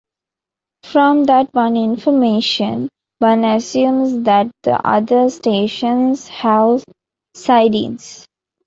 From that one information, one assumes that the other stations have sidings.